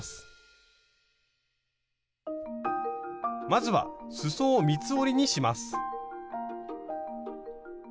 まずはすそを三つ折りにします。